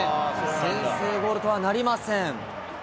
先制ゴールとはなりません。